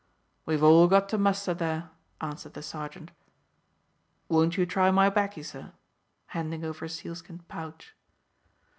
"We've all got to muster there," answered the sergeant. "Won't you try my baccy, sir?" handing over a sealskin pouch.